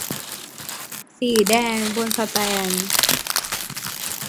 สีแดง บนแสตนด์